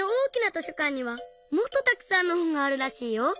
図書かんにはもっとたくさんのほんがあるらしいよ。